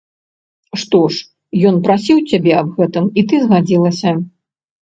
Што ж, ён прасіў цябе аб гэтым і ты згадзілася?